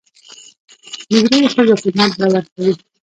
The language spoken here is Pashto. د درېو ښځو قيمت به ور کوي.